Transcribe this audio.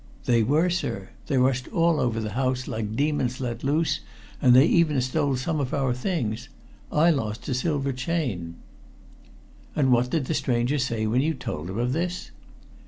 "They were, sir. They rushed all over the house like demons let loose, and they even stole some of our things. I lost a silver chain." "And what did the stranger say when you told him of this?"